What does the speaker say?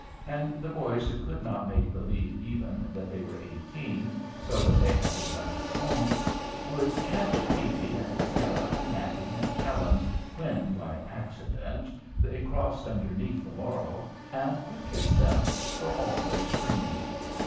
And the boys, who could not make believe even that they were eighteen, so that they had been left at home, would catch Phebe, and Sarah, and Mattie, and Helen, when by accident they crossed underneath the laurel, and would kiss them, for all their screaming.